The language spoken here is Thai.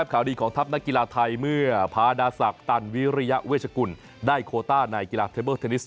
ข่าวดีของทัพนักกีฬาไทยเมื่อพาดาศักดิ์ตันวิริยเวชกุลได้โคต้าในกีฬาเทเบิลเทนนิส